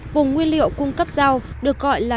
vùng nguyên liệu cung cấp rau được gọi là